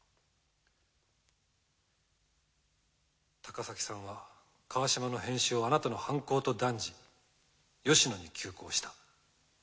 高崎さんは川島の変死をあなたの犯行と断じ吉野に急行した。